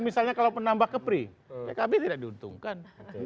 misalnya kalau penambah kepri pkb tidak diuntungkan